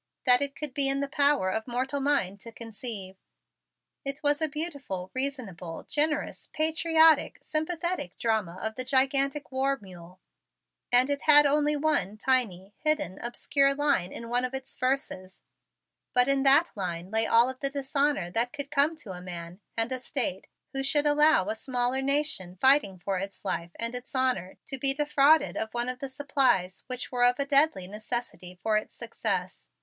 that it could be in the power of mortal mind to conceive. It was a beautiful, reasonable, generous, patriotic, sympathetic drama of the gigantic war mule and it had only one tiny, hidden obscure line in one of its verses, but in that line lay all of dishonor that could come to a man and a State who should allow a smaller nation fighting for its life and its honor to be defrauded of one of the supplies which were of a deadly necessity for its success.